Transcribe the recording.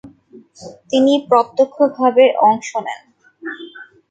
তিনি প্রত্যক্ষ ভাবে অংশ নেন।